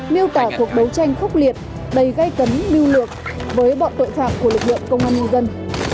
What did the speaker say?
miêu tả cuộc đấu tranh khốc liệt đầy gây cấn lưu lượng với bọn tội phạm của lực lượng công an nhân dân